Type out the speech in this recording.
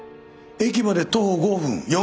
駅まで徒歩５分。